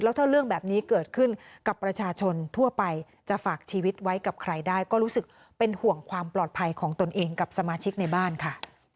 ถ้าเรื่องแบบนี้เกิดขึ้นกับประชาชนทั่วไปจะฝากชีวิตไว้กับใครได้ก็รู้สึกเป็นห่วงความปลอดภัยของตนเองกับสมาชิกในบ้านค่ะ